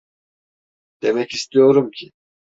Demek istiyorum ki…